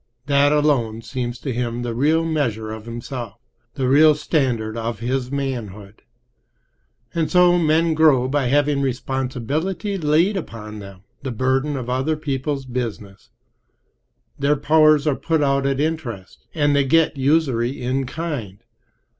That alone seems to him the real measure of himself, the real standard of his manhood. And so men grow by having responsibility laid upon them, the burden of other people's business. Their powers are put out at interest, and they get usury in kind.